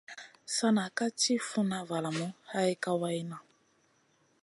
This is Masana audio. Sana ka ti funa valamu hay kawayna.